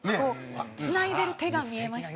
つないでる手が見えました。